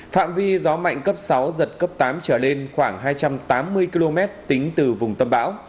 phạm vi gió mạnh cấp sáu giật cấp tám trở lên khoảng hai trăm tám mươi km tính từ vùng tâm bão